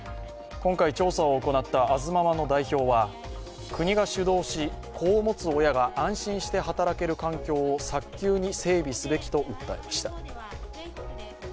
今回調査を行ったＡｓＭａｍａの代表は、国が主導し、子を持つ親が安心して働ける環境を早急に整備すべきと訴えました。